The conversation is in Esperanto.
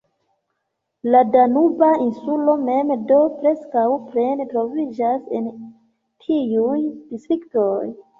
La Danuba Insulo mem do preskaŭ plene troviĝas en tiuj distriktoj.